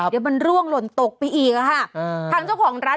เดี๋ยวมันร่วงลนตกไปอีกอ่ะค่ะ